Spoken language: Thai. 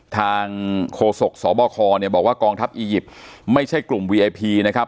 โฆษกสบคเนี่ยบอกว่ากองทัพอียิปต์ไม่ใช่กลุ่มวีไอพีนะครับ